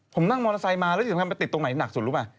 ผมนั่งมอเตอร์ไซซ์มารถติดตรงไหนที่หนักสุดรู้ป่ะ